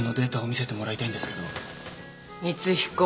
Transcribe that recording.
光彦。